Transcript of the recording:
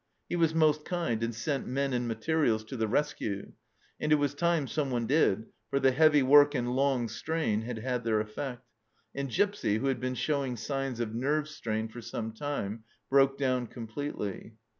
He was most kind, and sent men and materials to the rescue, and it was time someone did, for the heavy work and long strain had had their effect, and Gipsy, who had been showing signs of nerve strain for some time, broke down com pletely.